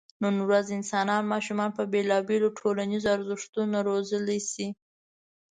نن ورځ انسانان ماشومان په بېلابېلو ټولنیزو ارزښتونو روزلی شي.